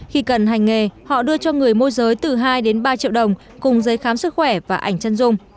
khi cần hành nghề họ đưa cho người môi giới từ hai đến ba triệu đồng cùng giấy khám sức khỏe và ảnh chân dung